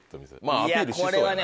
いやこれはね